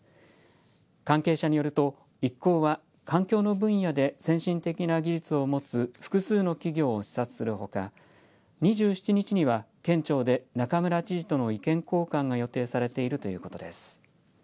関係者によると、一行は環境の分野で先進的な技術を持つ複数の企業を視察するほか２７日には県庁で中村知事との意見交換が予定されているということです。